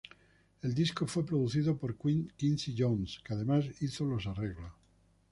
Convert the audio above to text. El disco fue producido por Quincy Jones, que además hizo los arreglos.